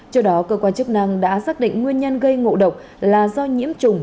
trước đó cơ quan chức năng đã xác định nguyên nhân gây ngộ độc là do nhiễm trùng